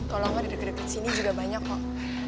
kalo enggak duduk deket sini juga banyak kok